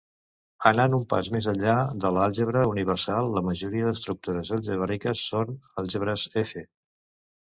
Anant un pas més enllà de l'àlgebra universal, la majoria d'estructures algebraiques són àlgebres F.